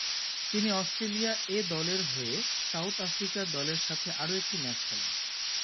তিনি "Australia A" দলের হয়ে সাউথ আফ্রিকা দলের সাথে আরও একটি ম্যাচ খেলেন।